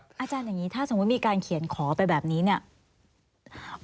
อาจารย์อย่างนี้ถ้าสมมุติมีการเขียนขอไปแบบนี้เนี่ย